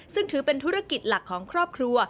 ซึ่งถือเป็นธุรกิจหลักของครอบครัว